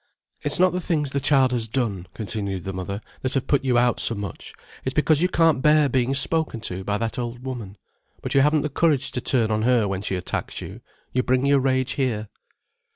"It's not the things the child has done," continued the mother, "that have put you out so much, it's because you can't bear being spoken to by that old woman. But you haven't the courage to turn on her when she attacks you, you bring your rage here."